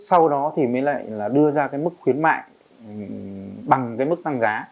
sau đó thì mới lại là đưa ra cái mức khuyến mại bằng cái mức tăng giá